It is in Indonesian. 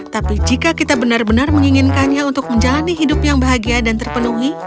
tapi jika kita benar benar menginginkannya untuk menjalani hidup yang bahagia dan terpenuhi